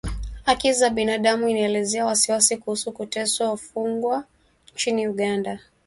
Haki za binadamu inaelezea wasiwasi kuhusu kuteswa wafungwa nchini Uganda